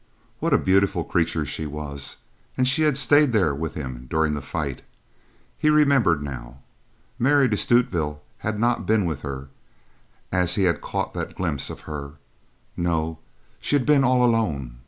What a beautiful creature she was; and she had stayed there with him during the fight. He remembered now. Mary de Stutevill had not been with her as he had caught that glimpse of her, no, she had been all alone.